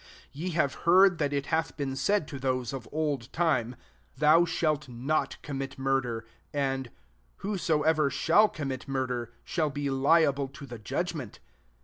21 <*Ye have heard that it hath been said to those of old time, *Thou shalt not commit murder ;* and * Whosoever shall commit murder shall be liable to the judgment.